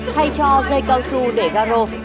thay cho dây cao su để ga rô